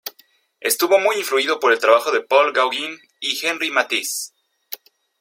Estuvo muy influido por el trabajo de Paul Gauguin y Henri Matisse.